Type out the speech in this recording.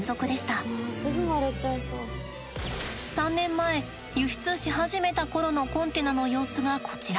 ３年前輸出し始めた頃のコンテナの様子がこちら。